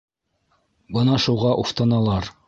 Бына шуға уфтаналар.